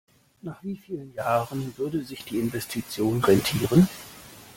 Nach wie vielen Jahren würde sich die Investition rentieren?